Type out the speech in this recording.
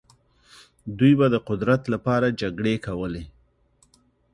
دوی به د قدرت لپاره جګړې کولې.